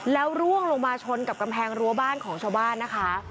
แล้วร่วงลงมาชนกับกำแพงรั้วบ้านของชาวบ้านนะคะ